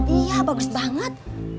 iya bagus banget